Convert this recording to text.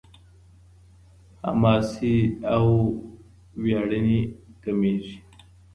حماسي او وياړني کمېږي.